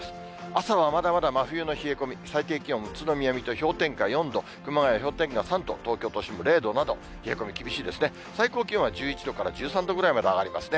朝はまだまだ真冬の冷え込み、最低気温、宇都宮、水戸、氷点下４度、熊谷、氷点下３度と東京都心０度など、冷え込み、厳しいですね。